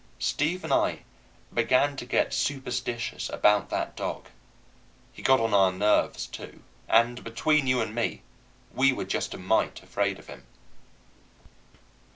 Steve and I began to get superstitious about that dog. He got on our nerves, too; and, between you and me, we were just a mite afraid of him.